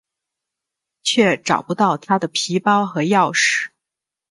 却找不到她的皮包和钥匙。